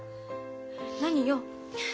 何よ。